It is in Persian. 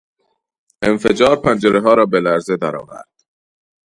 انفجار پنجرهها را به لرزه درآورد.